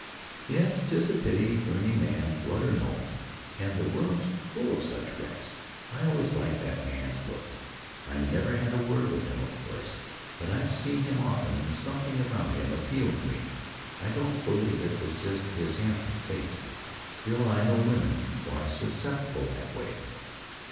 "Yes,'tis a pity for any man, blood or no, and the world's full of such wrecks. I always liked that man's looks. I never had a word with him, of course; but I've seen him often, and something about him appealed to me. I don't believe it was just his handsome face; still I know women are susceptible that way."